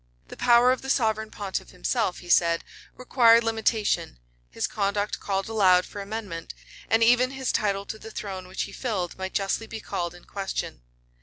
The power of the sovereign pontiff himself, he said, required limitation; his conduct called aloud for amendment; and even his title to the throne which he filled might justly be called in question.